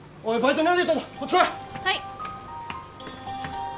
はい！